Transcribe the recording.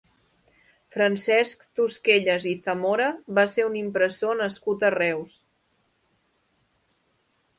Francesc Tosquellas i Zamora va ser un impressor nascut a Reus.